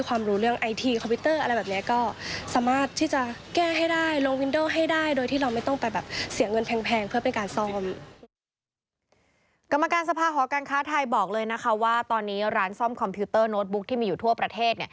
กรรมการสภาหอการค้าไทยบอกเลยนะคะว่าตอนนี้ร้านซ่อมคอมพิวเตอร์โน้ตบุ๊กที่มีอยู่ทั่วประเทศ